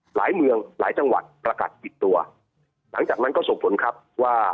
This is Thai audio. หลายเมืองหลายจังหวัดประกัดปิดตัวหลังจากนั้นก็ส่งผลครับว่า